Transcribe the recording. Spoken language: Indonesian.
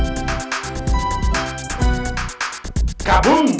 om jin dan jun